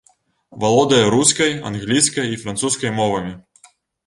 Валодае рускай, англійскай і французскай мовамі.